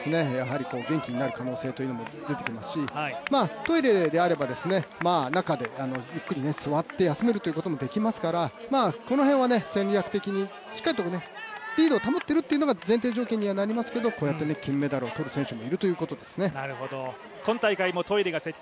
他の選手がやはり元気になる可能性というのも出てきますしトイレであれば、中でゆっくり座って休めるということも出来ますからこの辺は戦略的にしっかりとリードを保っているというのが前提条件にはなりますが、こうやって金メダルを取る選手もいるということですね。